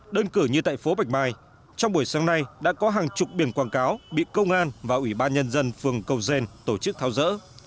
đơn cử như tại phố bạch mai trong buổi sáng nay đã có hàng chục biển quảng cáo bị công an và ủy ban nhân dân phường cầu gen tổ chức tháo rỡ